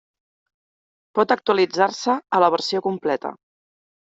Pot actualitzar-se a la versió completa.